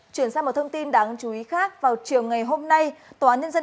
chuyển sang một thông tin đáng chú ý khác vào chiều ngày hôm nay tòa án nhân dân